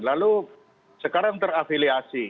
lalu sekarang terafiliasi